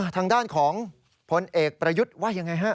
ทางด้านของผลเอกประยุทธ์ว่ายังไงฮะ